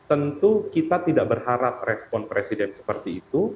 tentu kita tidak berharap respon presiden seperti itu